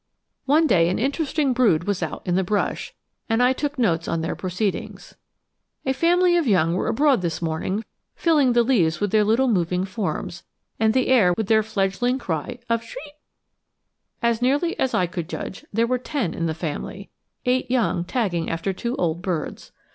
One day an interesting brood was out in the brush, and I took notes on their proceedings: "A family of young were abroad this morning filling the leaves with their little moving forms, and the air with their fledgling cry of schrit. As nearly as I could judge, there were ten in the family eight young tagging after two old birds.